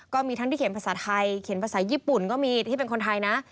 ก็มีทั้งที่เขียนภาษาไทยเขียนภาษาญี่ปุ่นก็มีที่เป็นคนไทยนะ